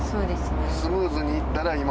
スムーズにいったら。